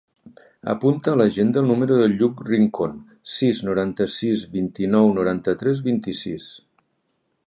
Apunta a l'agenda el número del Lluc Rincon: sis, noranta-sis, vint-i-nou, noranta-tres, vint-i-sis.